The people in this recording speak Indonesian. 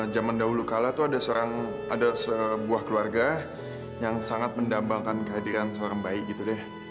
zaman dahulu kalah tuh ada sebuah keluarga yang sangat mendambangkan kehadiran seorang bayi gitu deh